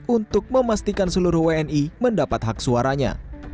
untuk memastikan seluruh wni mendapat hak suaranya